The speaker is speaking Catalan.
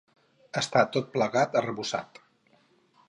Està tot plegat arrebossat.